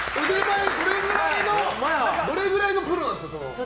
どれくらいのプロなんですか？